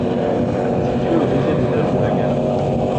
Située au deuxième étage de la galerie.